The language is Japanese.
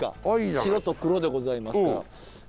白と黒でございますがえ